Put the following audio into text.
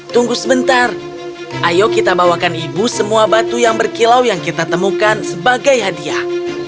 tunggu sebentar ayo kita bawakan ibu semua batu yang berkilau yang kita temukan sebagai hadiah